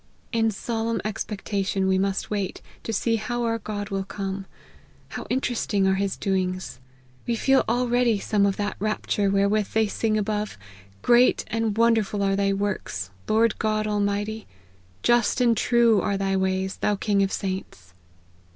In solemn expecta tion we must wait, to see how our God will come. How interesting are his doings ! We feel already some of that rapture wherewith they sing above, ' Great and wonderful are thy works, Lord God Almighty ! just and true are thy ways, thou king of saints!'''